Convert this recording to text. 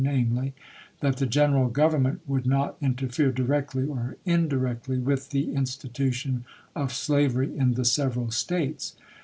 namely : that the Greneral Grovernment would not interfere directly or indirectly with the institution of slavery in the several States.